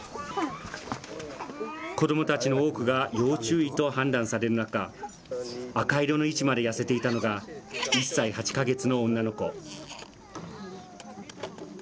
子どもたちの多くが要注意と判断される中、赤色の位置まで痩せていたのが、１歳８か月の女の子。